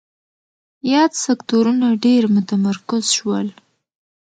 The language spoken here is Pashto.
یاد سکتورونه ډېر متمرکز شول.